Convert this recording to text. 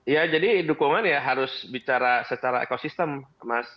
ya jadi dukungan ya harus bicara secara ekosistem mas